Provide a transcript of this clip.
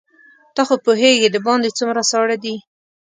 ته خو پوهېږې دباندې څومره ساړه دي.